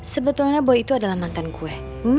sebetulnya boy itu adalah mantan kue